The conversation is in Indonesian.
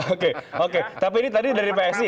oke oke tapi ini tadi dari psi